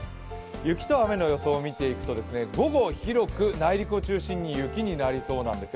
雪と雨の予想を見ていくと午後広く内陸を中心に雪になりそうなんですよ。